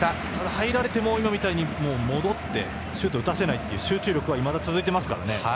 入られても今みたいに戻ってシュートを打たせないという集中力はいまだに続いていますからね。